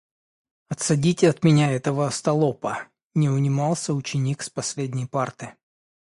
"Отсадите от меня этого остолопа!" - не унимался ученик с последней парты.